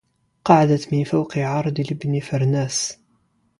قعدت من فوق عرد لابن فرناس